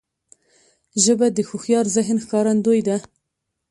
ژبه د هوښیار ذهن ښکارندوی ده